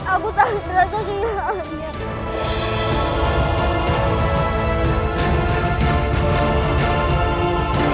aku tak akan merasa kehilangannya